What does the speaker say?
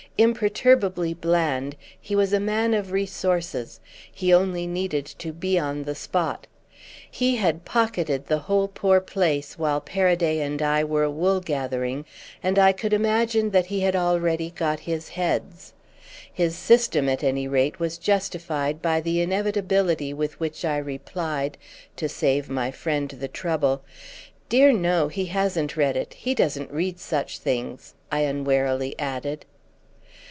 Imperturbably bland, he was a man of resources—he only needed to be on the spot. He had pocketed the whole poor place while Paraday and I were wool gathering, and I could imagine that he had already got his "heads." His system, at any rate, was justified by the inevitability with which I replied, to save my friend the trouble: "Dear no—he hasn't read it. He doesn't read such things!" I unwarily added.